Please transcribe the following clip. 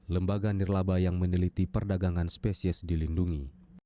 lembaga nirlaba yang meneliti perdagangan spesies dilindungi